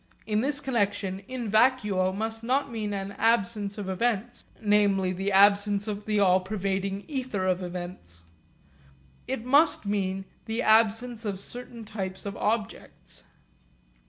In this connexion 'in vacuo' must not mean an absence of events, namely the absence of the all pervading ether of events. It must mean the absence of certain types of objects.